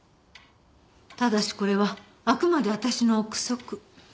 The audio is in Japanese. ただしこれはあくまで私の憶測。